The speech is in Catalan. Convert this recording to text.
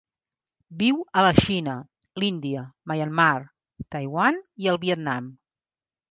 Viu a la Xina, l'Índia, Myanmar, Taiwan i el Vietnam.